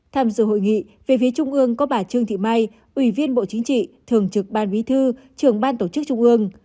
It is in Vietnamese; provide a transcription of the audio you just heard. tham dự hội nghị về phía trung ương có bà trương thị mai ủy viên bộ chính trị thường trực ban bí thư trường ban tổ chức trung ương